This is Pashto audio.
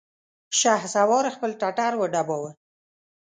شهسوار خپل ټټر وډباوه!